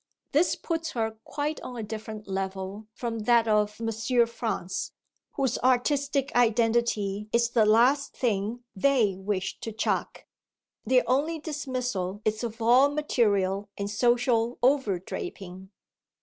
This puts her quite on a different level from that of the vivid monsters of M. France, whose artistic identity is the last thing they wish to chuck their only dismissal is of all material and social over draping.